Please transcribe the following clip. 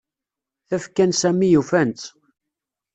Tafekka n Sami ufan-tt.